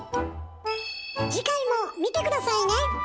次回も見て下さいね！